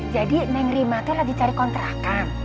jadi neng rima tuh lagi cari kontrakan